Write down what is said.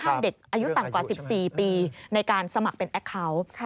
เด็กอายุต่ำกว่า๑๔ปีในการสมัครเป็นแอคเคาน์